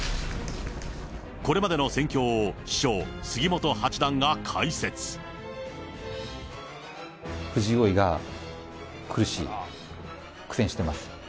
これまでの戦況を師匠、杉本八段藤井王位が苦しい、苦戦してます。